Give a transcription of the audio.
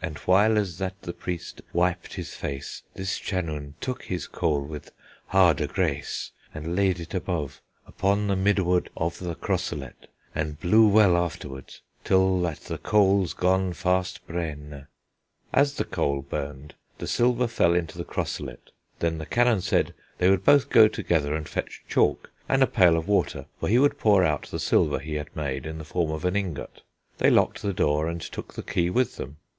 And whylès that the preest wipèd his face, This chanoun took his cole with hardè grace, And leyde it above, upon the middèward Of the crosselet, and blew wel afterward. Til that the colès gonnè fastè brenne. As the coal burned the silver fell into the "crosselet." Then the canon said they would both go together and fetch chalk, and a pail of water, for he would pour out the silver he had made in the form of an ingot. They locked the door, and took the key with them.